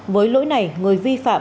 với lỗi này người vi phạm